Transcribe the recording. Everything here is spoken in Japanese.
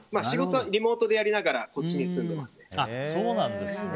仕事はリモートでやりながらこっちに住んでいますね。